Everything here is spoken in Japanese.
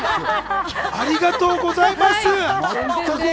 ありがとうございます。